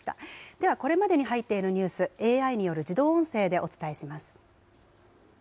ではこれまでに入っているニュース、ＡＩによる自動音声でお伝えします。